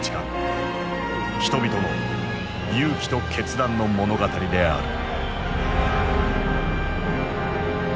人々の勇気と決断の物語である。